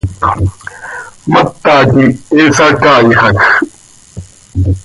¡Mata quih he sacaaixaj!